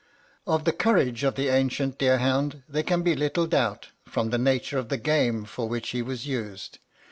Of the courage of the ancient deer hound there can be little doubt, from the nature of the game for which he was used.